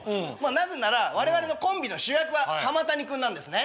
なぜなら我々のコンビの主役は浜谷君なんですね。